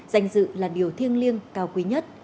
danh dự là điều thiêng liêng cao quý nhất